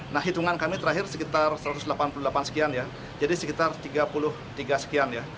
nah hitungan kami terakhir sekitar satu ratus delapan puluh delapan sekian ya jadi sekitar tiga puluh tiga sekian ya